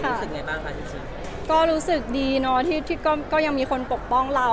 รู้สึกไงบ้างคะจริงก็รู้สึกดีเนอะที่ที่ก็ก็ยังมีคนปกป้องเรา